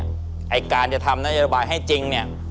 ไอ้การจะทำนโยบายให้จริงเนี่ย